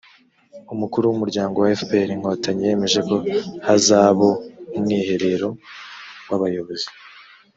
umukuru w’umuryango wa fpr inkotanyi yemeje ko hazabo umwiherero wabayobozi